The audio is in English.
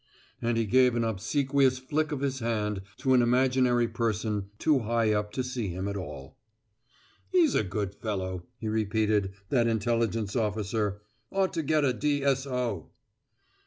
And he gave an obsequious flick of his hand to an imaginary person too high up to see him at all. "He's a good fellow," he repeated, "that intelligence officer. Ought to get a D.S.O."